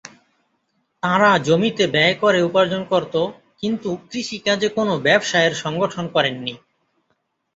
তাঁরা জমিতে ব্যয় করে উপার্জন করত, কিন্তু কৃষিকাজে কোন ব্যবসায়ের সংগঠন করেননি।